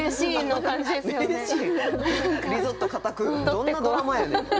どんなドラマやねん！